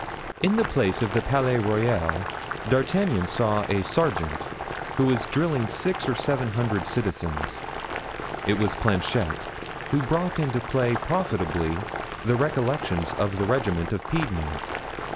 In the place of the Palais Royal D'Artagnan saw a sergeant, who was drilling six or seven hundred citizens. It was Planchet, who brought into play profitably the recollections of the regiment of Piedmont.